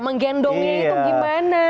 menggendongnya itu gimana